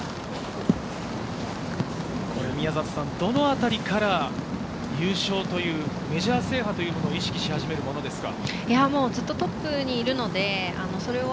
宮里さん、どのあたりから優勝という、メジャー制覇というものを意識し始めるものですか？